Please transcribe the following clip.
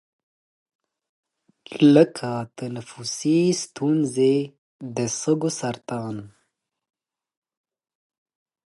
لـکه تنفـسي سـتونـزې، د سـږوسـرطـان،